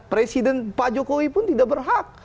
presiden pak jokowi pun tidak berhak